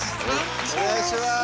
お願いします！